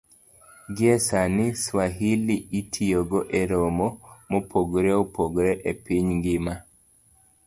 Gie sani, Swahili itiyogo e romo mopogore opogore e piny ngima